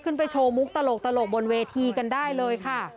ไปโชว์มุกตลกบนเวทีกันได้เลยค่ะ